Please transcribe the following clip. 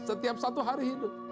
setiap satu hari hidup